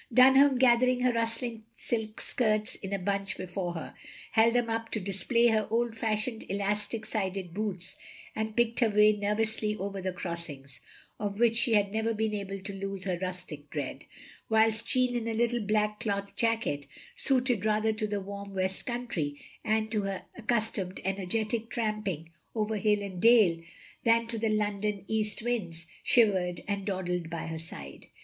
Dunham, gathering her rustling silk skirts in a bunch before her, held them up to display her old fashioned elastic sided boots, and picked her way nervously over the crossings, of which she had never been able to lose her rustic dread; whilst Jeanne, in a little black cloth jacket, suited rather to the warm west country and to her acctis tomed energetic tramping over hill and dale than OF GROSVENOR SQUARE 87 to the London east winds, shivered and dawdled by her side.